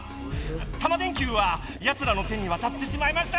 タマ電Ｑはやつらの手にわたってしまいました！